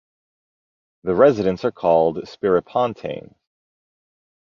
The residents are called Spiripontains.